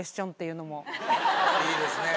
いいですね。